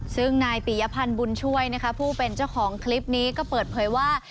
ซึ่งนายปียพันธ์บุญช่วยนะคะผู้เป็นเจ้าของคลิปนี้ก็เปิดเผยว่า